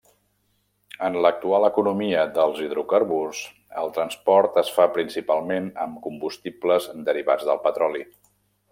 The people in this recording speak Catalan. En l'actual economia dels hidrocarburs, el transport es fa principalment amb combustibles derivats del petroli.